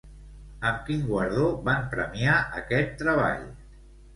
Amb quin guardó van premiar aquest treball?